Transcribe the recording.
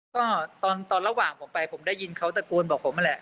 ก็ตอนระหว่างผมไปผมได้ยินเขาตะโกนบอกผมนั่นแหละ